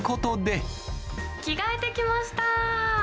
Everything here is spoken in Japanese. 着替えてきました。